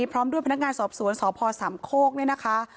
พร้อมด้วยพนักงานสอบสวนสพสามโคกเนี่ยนะคะ